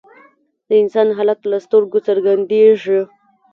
د انسان حالت له سترګو څرګندیږي